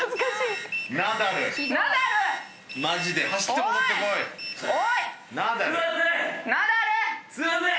すいません！